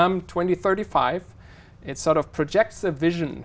một số câu hỏi về quốc gia của các bạn